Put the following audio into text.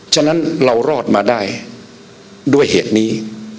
ฉะนั้นเรารอดมาได้ด้วยเหตุนี้